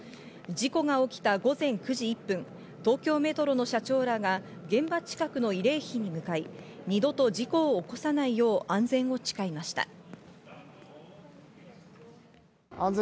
事故が起きた午前９時１分、東京メトロの社長らが現場近くの慰霊碑に向かい、二度と事故を起こさないよう安全を誓いました。